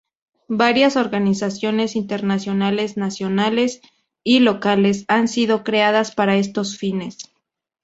Varias organizaciones internacionales, nacionales y locales han sido creadas para estos fines.